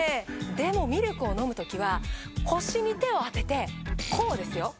でもミルクを飲む時は腰に手を当ててこうですよ。